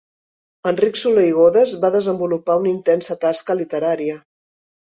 Enric Soler i Godes va desenvolupar una intensa tasca literària.